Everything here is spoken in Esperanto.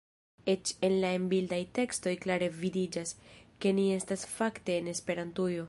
Eĉ en la en-bildaj tekstoj klare vidiĝas, ke ni estas fakte en Esperantujo.